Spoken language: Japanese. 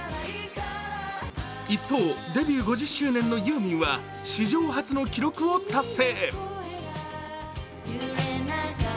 一方、デビュー５０周年のユーミンは史上初の記録を達成。